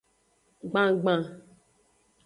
Gbangban.